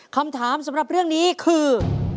คำถามสำหรับเรื่องนี้คือ